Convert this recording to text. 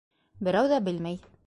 Берәү ҙә белмәй.